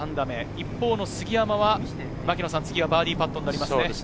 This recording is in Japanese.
一方の杉山は、バーディーパットになりますね。